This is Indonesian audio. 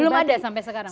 belum ada sampai sekarang